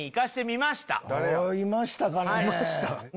いました？